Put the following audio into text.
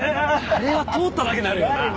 あれは通っただけでなるよな